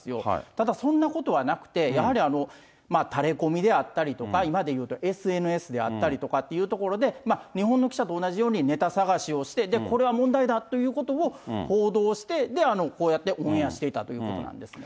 ただ、そんなことはなくて、やはりタレコミであったりとか、今でいうとＳＮＳであったりとかっていうところで、日本の記者と同じようにネタ探しをして、これは問題だということを報道して、こうやってオンエアしていたということなんですね。